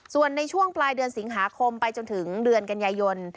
ส่วนในช่วงปลายเดือนสิงหาคมไปจนถึงเดือนกันยายน